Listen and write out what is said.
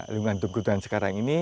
lingkungan tunggutan sekarang ini